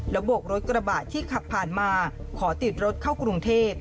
โบกรถกระบะที่ขับผ่านมาขอติดรถเข้ากรุงเทพ